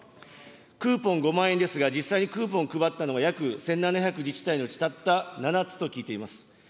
クーポン５万円ですが、実際にクーポンを配ったのは、約１７００自治体のうち、たった７つと聞いています。